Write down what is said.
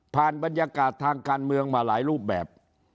บรรยากาศทางการเมืองมาหลายรูปแบบ